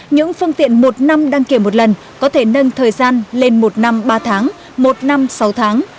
những phương tiện một năm đăng kiểm một lần có thể nâng thời gian lên một năm ba tháng một năm sáu tháng